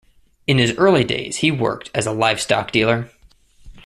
In his early days he worked as a livestock dealer.